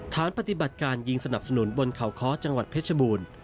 ฐานปฏิบัติการยิงสนับสนุนบนเขาค้อจังหวัดเพชรบูรณ์